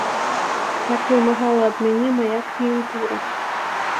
Так вымагала ад мяне мая кліентура.